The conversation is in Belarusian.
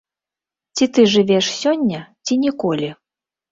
Ці ты жывеш сёння, ці ніколі.